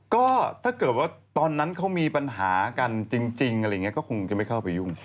ก็ถ้าเกิดว่าตอนนั้นเขามีปัญหากันจริงก็คงจะไม่เข้าไปยุ่ง